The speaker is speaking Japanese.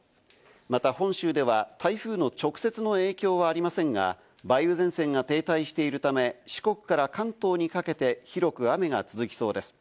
また本州では台風の直接の影響はありませんが、梅雨前線が停滞しているため、四国から関東にかけて広く雨が続きそうです。